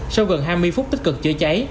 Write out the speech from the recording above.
sau gần hai mươi phút tích cực chữa cháy